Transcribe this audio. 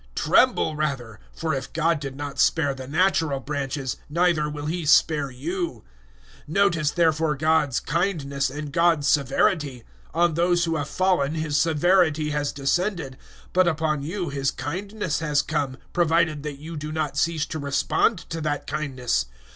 Tremble rather for if God did not spare the natural branches, neither will He spare you. 011:022 Notice therefore God's kindness and God's severity. On those who have fallen His severity has descended, but upon you His kindness has come, provided that you do not cease to respond to that kindness.